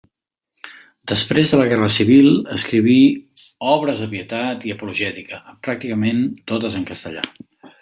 Després de la guerra civil escriví obres de pietat i apologètica, pràcticament totes en castellà.